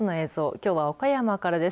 きょうは岡山からです。